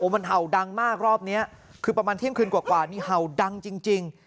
มันเห่าดังมากรอบนี้คือประมาณเที่ยงคืนกว่านี่เห่าดังจริง